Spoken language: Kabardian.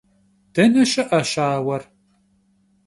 Dene şı'e şauer?